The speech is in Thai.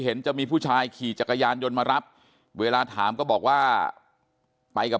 จะมีผู้ชายขี่จักรยานยนต์มารับเวลาถามก็บอกว่าไปกับ